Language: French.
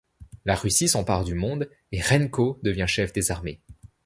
La Russie s'empare du monde et Renko devient chef des armées.